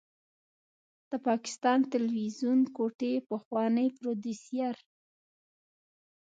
د پاکستان تلويزيون کوټې پخوانی پروديوسر